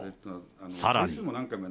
さらに。